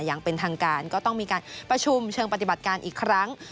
อย่างเป็นทางการก็ต้องมีการประชุมเชิงปฏิบัติการอีกครั้ง